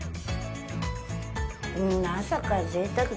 朝からぜいたく。